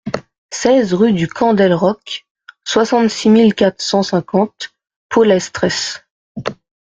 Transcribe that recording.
seize rue du Camp del Roc, soixante-six mille quatre cent cinquante Pollestres